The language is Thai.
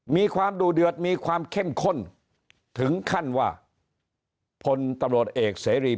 มีความดูเดือดมีความเข้มข้นถึงขั้นว่าพลตำรวจเอกเสรี